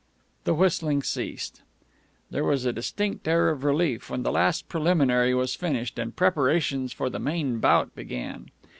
The whistling ceased. There was a distinct air of relief when the last preliminary was finished and preparations for the main bout began.